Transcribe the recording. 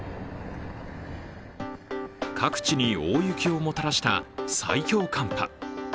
各地に大雪をもたらした最強寒波。